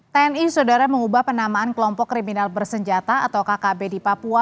tni saudara mengubah penamaan kelompok kriminal bersenjata atau kkb di papua